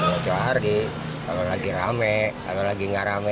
satu hari kalau lagi rame kalau lagi nggak rame